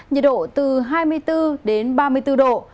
nhiệt độ từ hai mươi bốn ba mươi bốn độ